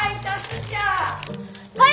はい！